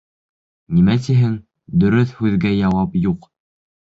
— Нимә тиһен, дөрөҫ һүҙгә яуап юҡ.